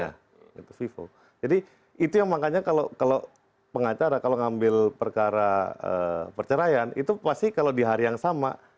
ya itu vivo jadi itu yang makanya kalau pengacara kalau ngambil perkara perceraian itu pasti kalau di hari yang sama